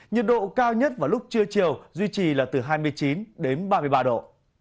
nhiệt độ cao nhất vào lúc trưa chiều duy trì là từ hai mươi chín đến ba mươi ba độ